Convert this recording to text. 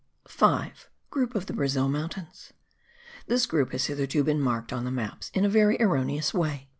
5. GROUP OF THE BRAZIL MOUNTAINS. This group has hitherto been marked on the maps in a very erroneous way.